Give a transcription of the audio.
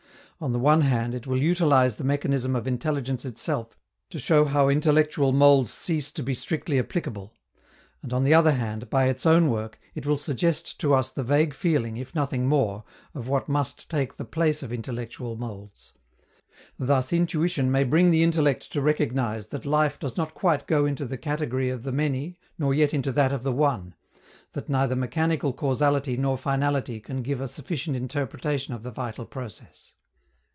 On the one hand, it will utilize the mechanism of intelligence itself to show how intellectual molds cease to be strictly applicable; and on the other hand, by its own work, it will suggest to us the vague feeling, if nothing more, of what must take the place of intellectual molds. Thus, intuition may bring the intellect to recognize that life does not quite go into the category of the many nor yet into that of the one; that neither mechanical causality nor finality can give a sufficient interpretation of the vital process.